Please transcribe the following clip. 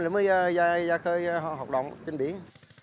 mình mới ra khơi hoạt động trên biển